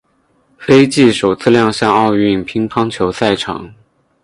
斐济首次亮相奥运乒乓球赛场。